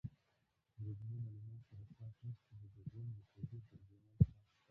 بریدمنه، له ما سره ساعت نشته، د جګړن د کوټې پر دېوال ساعت شته.